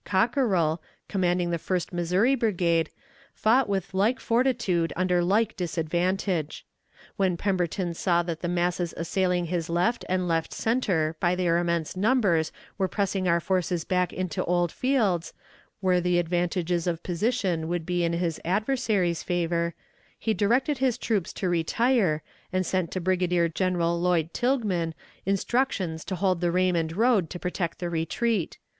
Cockerell, commanding the First Missouri Brigade, fought with like fortitude under like disadvantage. When Pemberton saw that the masses assailing his left and left center by their immense numbers were pressing our forces back into old fields, where the advantages of position would be in his adversary's favor, he directed his troops to retire, and sent to Brigadier General Lloyd Tilghman instructions to hold the Raymond road to protect the retreat.